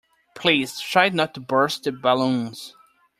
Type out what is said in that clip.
Please try not to burst the balloons